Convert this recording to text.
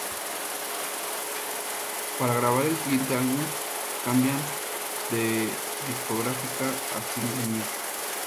Para grabar el siguiente álbum cambian de discográfica a Signal Music.